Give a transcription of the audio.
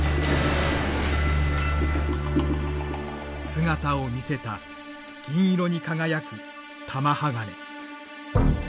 姿を見せた銀色に輝く玉鋼。